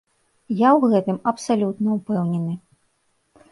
Я ў гэтым абсалютна ўпэўнены.